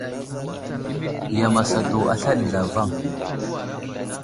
Yam asatu asla ɗi zlavaŋ.